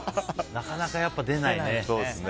なかなか出ないね。